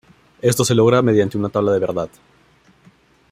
Esto se logra mediante una tabla de verdad.